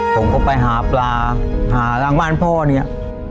ผมก็ไปหาปลาหาทางบ้านพ่อเนี่ย